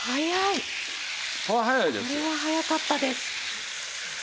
これは早かったです！